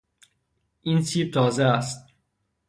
این سیب تازه است.